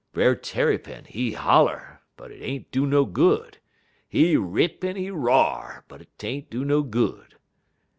"Brer Tarrypin, he holler, but 't ain't do no good, he rip en he r'ar, but 't ain't do no good.